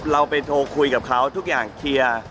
เราไปโทรคุยกับเขาทุกอย่างเคลียร์